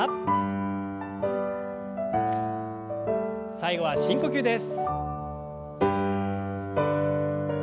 最後は深呼吸です。